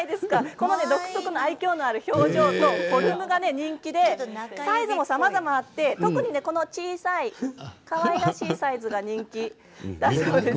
この独特の愛きょうのある表情とフォルムが人気でサイズもさまざまあって特に、この小さいかわいらしいサイズが人気だそうです。